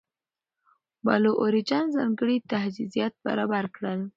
بلو اوریجن ځانګړي تجهیزات برابر کړل.